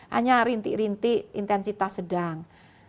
hanya rintik rintik intensitas sedang